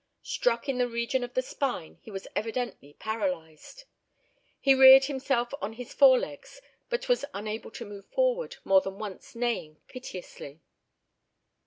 Struck in the region of the spine, he was evidently paralysed. He reared himself on his fore legs but was unable to move forward, more than once neighing piteously.